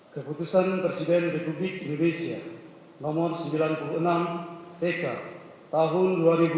keputusan presiden republik indonesia nomor sembilan puluh enam tk tahun dua ribu dua puluh